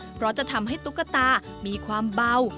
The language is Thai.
เพราะจะทำให้ตุ๊กตามีความเบา